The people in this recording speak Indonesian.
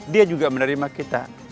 dia juga menerima kita